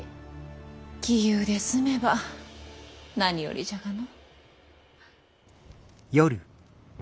杞憂で済めば何よりじゃがの。